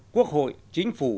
quốc hội chính phủ